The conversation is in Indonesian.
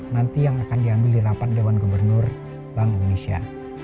nanti yang akan diambil di rapat dewan gubernur bank indonesia